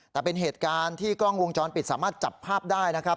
แต่เป็นเหตุการณ์ที่กล้องวงจรปิดสามารถจับภาพได้นะครับ